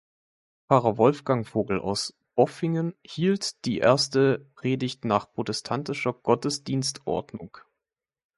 Pfarrer Wolfgang Vogel aus Bopfingen hielt die erste Predigt nach protestantischer Gottesdienstordnung.